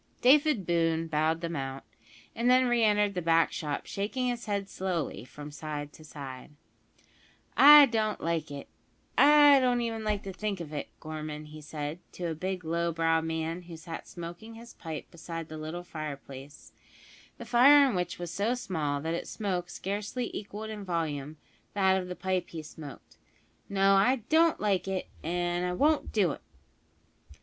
David Boone bowed them out, and then re entered the back shop, shaking his head slowly from side to side. "I don't like it I don't even like to think of it, Gorman," he said to a big low browed man who sat smoking his pipe beside the little fireplace, the fire in which was so small that its smoke scarcely equalled in volume that of the pipe he smoked: "No, I don't like it, and I won't do it."